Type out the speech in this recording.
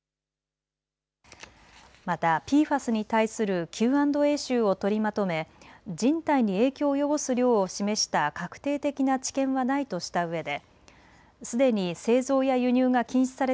またＰＦＡＳに対するＱ＆Ａ集を取りまとめ人体に影響を及ぼす量を示した確定的な知見はないとしたうえで。